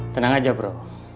tenang aja bro